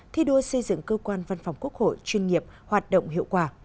thi đua xây dựng cơ quan văn phòng quốc hội chuyên nghiệp hoạt động hiệu quả